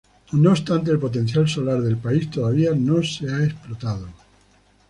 No obstante, el potencial solar del país todavía no se ha explotado.